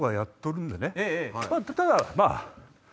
ただまぁ。